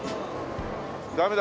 ダメだ。